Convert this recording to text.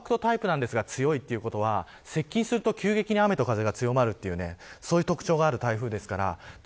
コンパクトなんですが強いということは接近すると、急激に雨と風が強まるという特徴がある台風です。